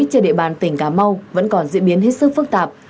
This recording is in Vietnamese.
trên địa bàn tỉnh cà mau vẫn còn diễn biến hết sức phức tạp